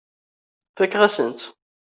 Fakeɣ-asen-tt.